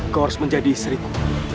kau harus menjadi istriku